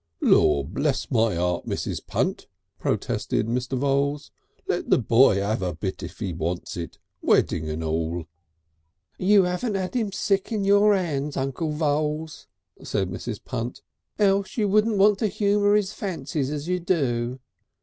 "Lor bless my heart, Mrs. Punt!" protested Mr. Voules, "let the boy 'ave a bit if he wants it wedding and all!" "You 'aven't 'ad 'im sick on your 'ands, Uncle Voules," said Mrs. Punt. "Else you wouldn't want to humour his fancies as you do...."